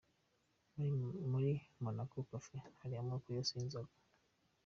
Muri Monaco Cafe hari amoko yose y'inzoga.